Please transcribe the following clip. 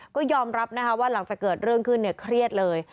ก็ยอมรับนะคะว่าหลังจากเกิดเรื่องขึ้นเนี่ยเครียดเลย